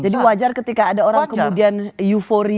jadi wajar ketika ada orang kemudian euphoric